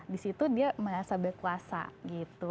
disitu dia merasa berkuasa gitu